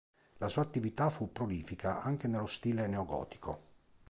La sua attività fu prolifica anche nello stile neogotico.